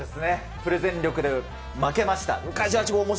プレゼン力で負けました。